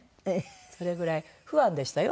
それぐらいファンでしたよ